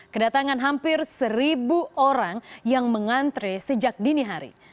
kedatangan hampir seribu orang yang mengantre sejak dini hari